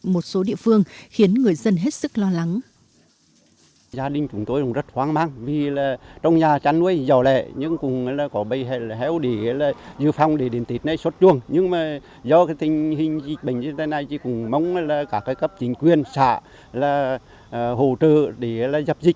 một số địa phương khiến người dân hết sức lo lắng